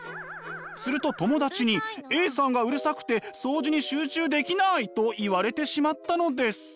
すると友達に「Ａさんがうるさくて掃除に集中できない」と言われてしまったのです。